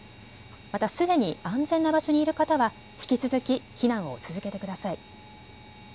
またすでに安全な場所にいる方は引き続き避難を続けてください。